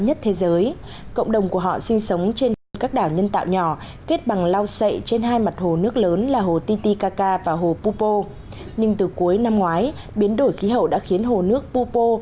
nhưng từ cuối năm ngoái biến đổi khí hậu đã khiến hồ nước pupo